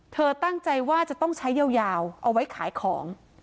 เธอตั้งใจว่าจะต้องใช้ยาวเอาไว้ขายของ